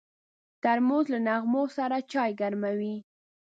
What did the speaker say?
ترموز له نغمو سره چای ګرموي.